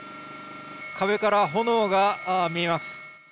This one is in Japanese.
壁から炎が見えます。